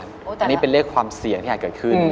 อันนี้เป็นเลขความเสี่ยงที่อาจเกิดขึ้น